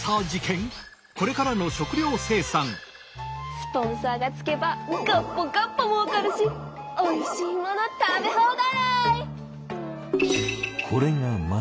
スポンサーがつけばガッポガッポもうかるしおいしいもの食べ放題！